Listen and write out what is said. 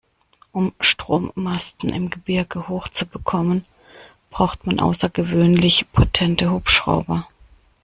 Um Strommasten im Gebirge hoch zu bekommen, braucht man außergewöhnlich potente Hubschrauber.